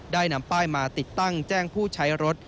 ได้นำป้ายมาติดตั้งแจ้งผู้ใช้รถ